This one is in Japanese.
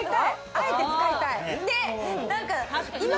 あえて使いたい。